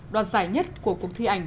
đoạt giải nhất của cuộc thi ảnh